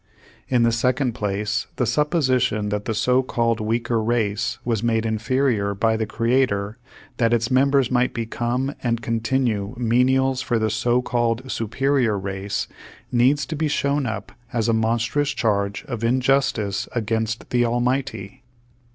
In the second place, the supposition that the so called weaker race was made inferior by the Creator that its members might become and con tinue menials for the so called superior race needs to be shown up as a monstrous charge of injus tice against the Almighty.